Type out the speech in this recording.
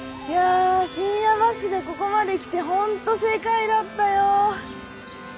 いや深夜バスでここまで来て本当正解だったよ。